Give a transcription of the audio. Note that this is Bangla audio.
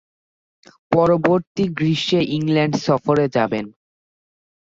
পরবর্তী গ্রীষ্মে ইংল্যান্ড সফরে যান।